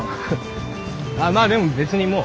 まあでも別にもう。